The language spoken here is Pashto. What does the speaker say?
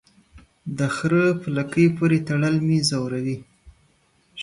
د خره په لکۍ پوري تړل مې زوروي.